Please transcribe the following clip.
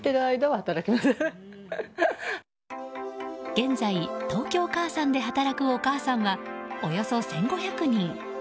現在、東京かあさんで働くお母さんは、およそ１５００人。